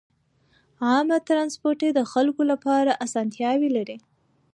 عامه ترانسپورت د خلکو لپاره اسانتیاوې لري.